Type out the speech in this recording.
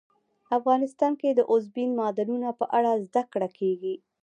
افغانستان کې د اوبزین معدنونه په اړه زده کړه کېږي.